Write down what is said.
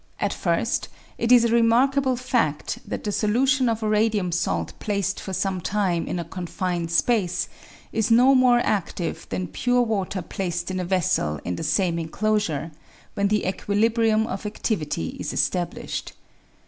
At first, it is a remarkable fad that the solution of a radium salt placed for some time in a confined space is no more adtive than pure water placed in a vessel in the same enclosure, when the equilibrium of adlivity is established.